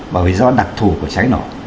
bởi vì do đặc thù của cháy nó